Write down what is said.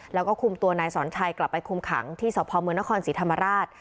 แล้วก็คุมตัวนายสอนชัยกลับไปคุมขังที่สพเมืองนครศรีธรรมราช